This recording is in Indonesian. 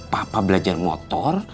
papa belajar motor